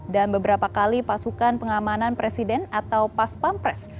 dan beberapa kali pasukan pengamanan presiden atau pas pampres